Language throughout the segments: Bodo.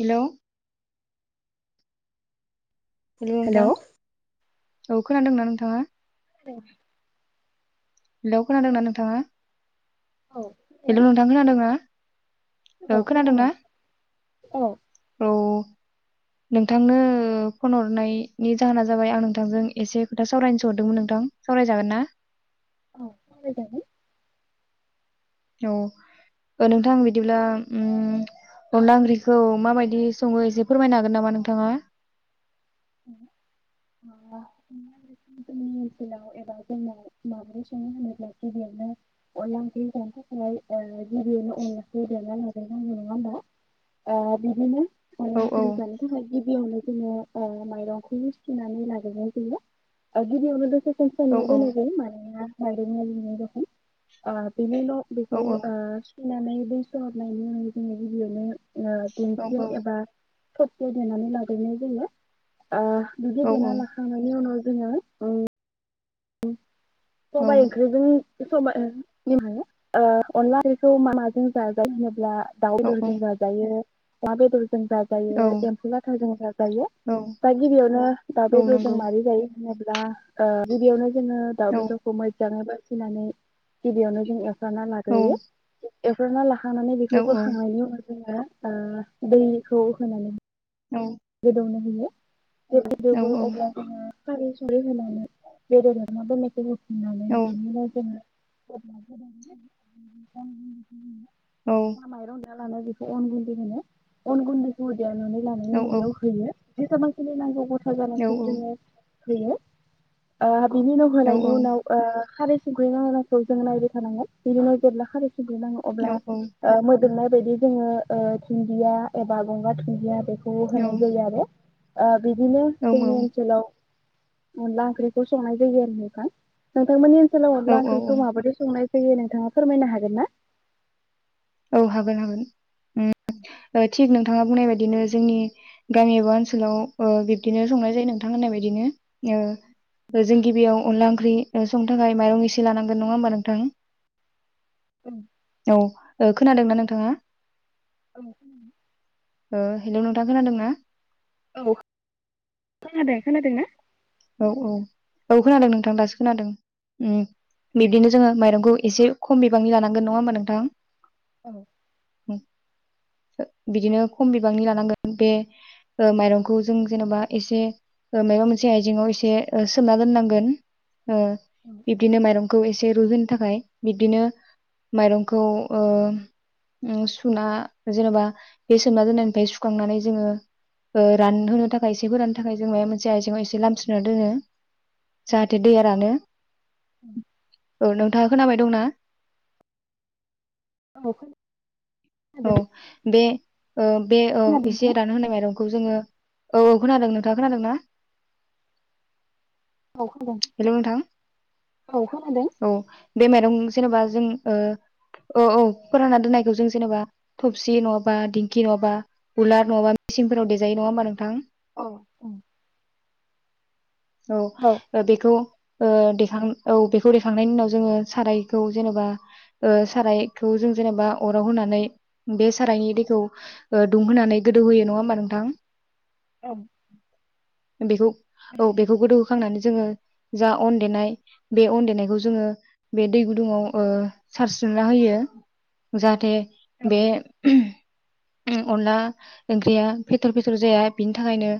हेलोव हेलोव हेलौ नोंथां? औ खोनादोंना नोंथांङा? दो हेलौ खोनादोंना नोंथांङा? औ हेल' नोंथां खोनादोंना? ओ खोनादों ना? औ औ नोंथांनो फन हरनायनि जाहोना जाबाय आं नोंथांजों एसे खोथा सावरायनोसो हरदोंमोन नोंथां सावरायजागोन ना? सावराय जागोन औ ओ नोंथां बिदिब्ला उम अनला ओंख्रिखौ माबायदि सङो एसे फोरमायनो हागोन नामा नोंथाङा? जोंनि ओनसोलाव एबा जोंनाव माब्रै सङो होनोब्ला गिबियावनो अनला ओंख्रि जानो थाखाय थाखाय गिबियावनो अनलाखौ देना लाग्रो नांगौ नङा होमबा ओ बिदिनो अनला औ औ ओंख्रि जानो थाखाय गिबियावनो दिनो ओ माइरंखौ सुनानै लाग्रोनाय जायो ओ गिबियावनो दसे [unintelligible] औ औ [unintelligible] ओ बेनि उनाव औ बेखौ ओ नानै दै सरदनायनि उनै जोङो गिबियावनो ओ औ दिंखियाव एबा थबसिआव देनानै लाग्रोनाय जायो आ बिदि औ देना लखांनायनि उनाव जोङो ओ उम औ सबाइ ओंख्रिजों सबाय [unintelligible] ओ अनला ओंख्रिखौ माजों जाजा होनोब्ला दाउ औ बेदरजों जाजायो अमा बेदर जों औ जाजायो एम्फौ लाथा जों जाजायो औ दा गिबियावनो दाव औ बेदरजों नंगौ मारै जायो दा ओ गिबियावनो जोङो दाउ औ बेदखौ मोजाङै बा सिनानै गिबियावनो जों ए वफ्रामना औ लाग्रोयो एवफ्रामना ला खानानै बेखौ औ औ बोखांनायनि उन जोङो ओ दैखौ होनानै औ गोदौनो होयो [unintelligible] अब्ला जोङो खारै संख्रै होनानै बेदर एवना दोननायखौ बो होनानै बिनिफ्राय जोङो [unintelligible] [inaudible] औ [unintelligible] जा मायरं लाना बेखौ अन गुन्दै होनो अन गुन्दैखौ एवनानै लानाय औ उनाव औ बेआव जेसेबांखिनि नांगौ [unintelligible] औ जोङो होयो ओ बिनि उनाव होनायनि उनाव ओ खारै सुगैना होनायखौ जों नायबाय थानांगोन बिनि उनाव जेब्ला खारै स नाङो औ अब्ला औ ओ नाय बायदि जोङो ओ धुन्दिया एबा गंगार धुन्दिया बे अ होनै अ ओ बिदिनो औ जोंनि ओनसोलाव अनला ओंख्रिखौ संनाय जायो आरो नोंथां। नोंथांमोननि सोलाव अनला ओंख्रिखौ माबादि संनाय फैयो नोंथाङा फोरमायनो हागोन ना? औ हागोन हागोन। उम थिक नों थाङा बुंनाय बायदिनो जोंनि गामि एबा ओनसोलाव ओ बिब्दिनो संनाय जायो नोंथां होननाय बायदिनो ओ जों गिबियाव अनला ओंख्रि संनो थाखाय माइरं इसे लानांगोन नङा होमबा नोंथां? औ ओ खोनादोंना नोंथाङा? ओं ओ हेलौ नोंथां खोनादों ना? औ खोनादों। खोनादों ना? औ औ औ खोनादों नोंथां दासो खोनादों। औ बिब्दिनो जोङो माइरंखौ एसे खम बिबांनि लानांगोन नङा होमा नोंथां? औ ओ बिदिनो खम बिबांनि लानांगोन बे ओ माइरंखौ जों जेनेबा एसे माबा मोनसे आइ इङाव एसे ओ सोमना दोननांगोन। ओ बिबदिनो माइरंखौ एसे ए रुइहोनो थाखाय बिबदिनो माइरंखौ ओ उम सुना जेनेबा ए सोमना दोननायनि सुखांनानै जोङो ओ रानहोनो‌ थाखाय एसे फोराननो थाखाय जों मायबा मोनसे आइजेंयाव एसे लान स्रोना दोनो। जाहाथे दैया रानो। औ नोंथाङा खोनाबाय दंना? औ खोना औ बे ओ बे औ खोनादों एसे नोंथां रानो होनाय माइरं खौ जोङो औ औ खोनादों नोंथां खोनादों ना? औ खोनादों हेल' नोंथां औ खोनादों औ बे माइरं जेनेबा जों ओ औ औ फोरानना दोननायखौ जों जेनेबा थबसि नङाबा दिंखि नङाबा कुलार नङाबा मेसिनफोराव देजायो नङा होमबा नोंथां? औ औ। औ बेखौ ओ देखां औ बेखौ देखांनायनि उनाव जोङो सारायखौ जेनेबा ओ सारायखौ जों जेनेबा अराव होनानै बे सारायनि दैखौ ओ दुंहोनानै गोदौहोयो नङा होमबा नोंथां? औ। बेखौ औ बेखौ गोदौ होखांनानै जोङो जा अन देनाय बे अन देनायखौ जोङो बे दै गुदुङाव ओ सारस्रोना होयो जाहाथे बे उम अनला ओंख्रिया फेथर फेथर जाया बिनि थाखायनो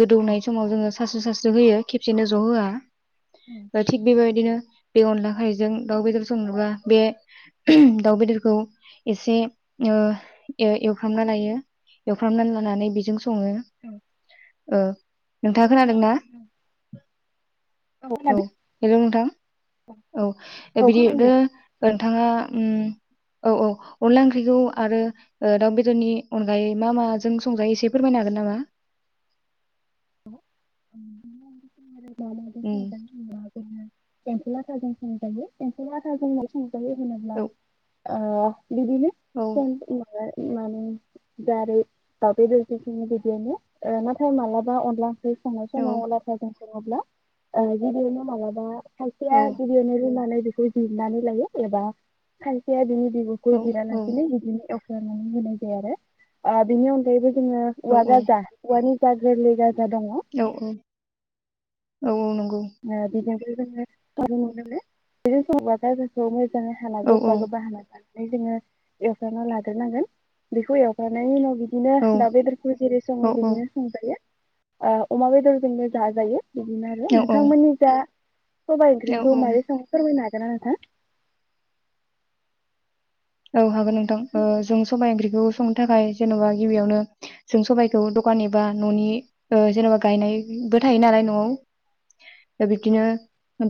गोदौनाय औ समाव जोङो सास्रो सास्रो होयो खेबसेनो ज' होआ। औ दा थिं बेबाय दिनो बे अनला खायजों दाउ बेदर संनोबा बे दाउ बेदरखौ एसे ओ ए एवफ्रामना लायो एवफ्रामना लानानै बेजों सङो। औ ओ नों खोनादोंना औ हेल' नोंथां औ ए औ बिदि खोनादों एवदो दे ओ आङा उम औ औ अनला ओंख्रिखौ आरो ओ दाउ बेदरनि अनगायै मा माजों संजायो एसे फोरमायनो हागोन नामा? [inaudible] [inaudible] [inaudible] उम संजायो एम्फौ लाथा सं जायो होनो‍ब्ला औ ओ बिदिनो औ सं उम माबाय उम माने दारै दाउदै [inaudible] ओ नाथाय मालाबा अनला ओ संनाय औ समय ला सङोब्ला ओ गिबियावनो मालाबा खायसेया [inaudible] बे खौ जिरनानै लायो एबा खसेया बि [inaudible] औ औ जुदि [inaudible] बिनि अनगायैबो जोङो औ उवा गाजा उवानि जा गोरलै जा औ औ। औ औ नंगौ। [unintelligible] [unintelligible] जाङै हाना गोबा औ औ गोबा हाना जा नै जोङो एवफ्रामना लाग्रोनांगोन बेखौ एवग्रोनायनि उनाव बि दिनो औ दाउ बेदरखौ जेरै औ सङो बिदिनो संजायो। ओ अमा बेदरजोंनो जाजायो। बिदिनो आरो नों जा सबाय औ ओंख्रिखौ मारै संङो फोरमायनो हा जोना नोथा। औ हागोन नोंथां ओ ना? जों सबाइ ओंख्रिखौ संनो थाखाय जेन'बा गिबियावनो जों सबाइखौ द'खान एबा न'नि ओ जेन'बा गायनायबो थायो नालाय न'आव। दा बिबदिनो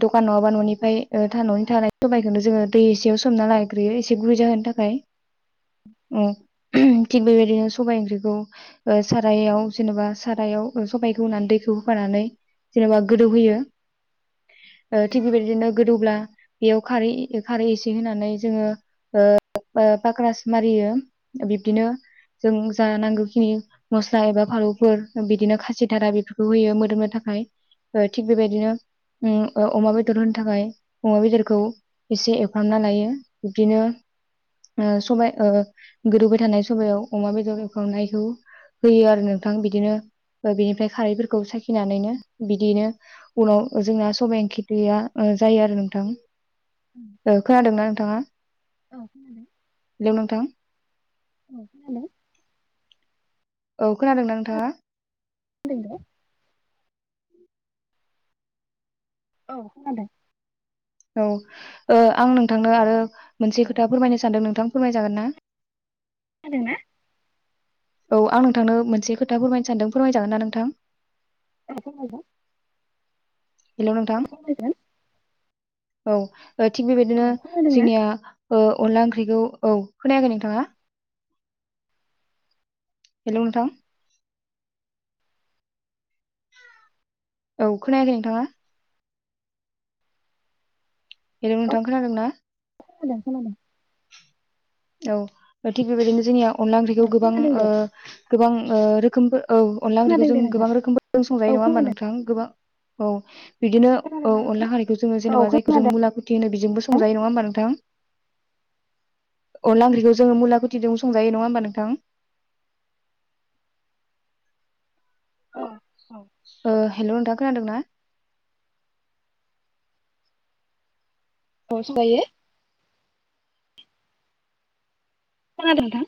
द'खान नङाबा न'निफाय ओ था-न'नि थानाय सबायखौनो जोङो दै इसेयाव सोमना लाायग्रोयो एसे गुरै जाहोनो थाखाय। ओम। थिग बेबायदिनो सबाइ ओंख्रिखौ ओ सारायाव जेनबा सारायाव सबाइखौ होनानै दैखौ होफानानै जेनबा गोदौ होयो ओ थिग बेबायदिनो गोदौब्ला बेयाव खारै खारै एसे होनानै जोङो ओ ओ पाक्रास मारियो बिब्दिनो जों जा नांगौखिनि मस्ला एबा फालौफोर बिदिनो खासिथारा बेफोरखौ होयो मोदोमनो थाखाय ओ थिग बेबायदिनो उ ओ अमा बे बेदर होनो थाखाय अमा बेदरखौ इसे एवफ्रामना लायो बिबदिनो ओ सबाय ओ गोदौबाय थानाय सबायाव अमा बेदर एवखांनायखौ होयो आरो नोंथां बिदिनो बिनिफ्राय खारैफोरखौ साखिनानैनो बिदिनो उनाव जोंना सबायाइ इंख्रिया जायो आरो नोंथां। ओ खोनादोंना नोंथाङा? औ खोनादों हेलौ नोंथां। [inaudible] औ खोनादों। औ खोनादोंना नोंथाङा? [unintelligible] औ खोनादों। औ ओ आं नोंथांनो आरो औ खोनादोंना औ खोनादों मोनसे खोथा फोरमायनो सानदों। नों थां फोरमाय जागोन ना? खोनादोंना? औ आं नोंथांनो मोनसे खोथा फोरमायनो सानदों फोरमायजागोन ना नोंथां। [unintelligible] हेलौ नोंथां औ। ओ थिग बेबायदिनो जोंनिया ओ अनला ओंख्रिखौ औ खोनायाखै नोंथाङा हेलौ नोंथां । औ खोनायाखै नोंथाङा। हेलौ नोंथां खोनादोंना? खोनादों खोनादों। औ ओ थिग बेबायदिनो जोंनियाव अनला ओंख्रिखौ औ गोबां खोनादों ओ दे गोबां ओ रोखोमबो औ अनला ओंख्रिखौ खोनादों जों दे नोंथां गोबां रोखोमबो जों संजायो औ नङा होमबा खोनादों नोंथां गोबां औ। बिदिनो औ खोनादोंना नोंथां अनला खारिखौ जोङो औ जेनेबा जायखौ जों खोनादों मुलाखुथि होनो बेजोंबो संजायो नङा होमबा नोंथां। औ अनला ओंख्रिखौ जोङो मुलाखुथिजों संजायो नङा होमबा नोंथां। औ औ ओ हेलौ नोंथा खोनादोंना? अ संजायो। खोनादों नोंथां।